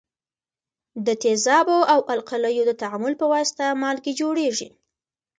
د تیزابو او القلیو د تعامل په واسطه مالګې جوړیږي.